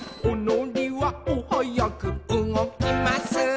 「おのりはおはやくうごきます」